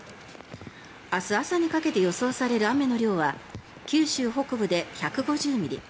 明日朝にかけて予想される雨の量は九州北部で１５０ミリ